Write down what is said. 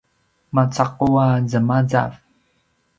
macaqu a zemazav